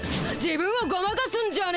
自分をごまかすんじゃねえ！